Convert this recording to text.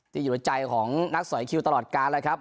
ที่อยู่ในใจของนักสอยคิวตลอดการณ์เลยครับ